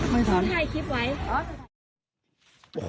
ไม่เสร็จ